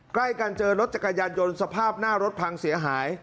ใกล้กันเจอรถจักรยานยนต์สภาพหน้ารถพังเสียหาย